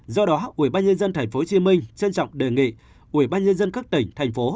do đó ubnd tp hcm trân trọng đề nghị ubnd các tỉnh thành phố